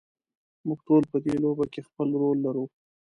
موږ ټول په دې لوبه کې خپل رول لرو.